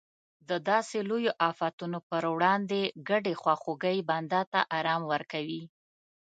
د داسې لویو افتونو پر وړاندې ګډې خواخوږۍ بنده ته ارام ورکوي.